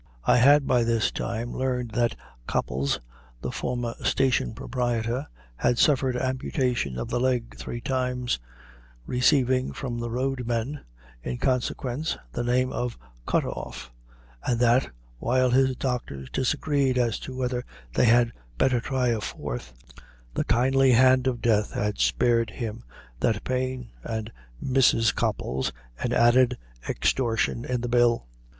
I had by this time learned that Copples, the former station proprietor, had suffered amputation of the leg three times, receiving from the road men, in consequence, the name of "Cut off," and that, while his doctors disagreed as to whether they had better try a fourth, the kindly hand of death had spared him that pain, and Mrs. Copples an added extortion in the bill.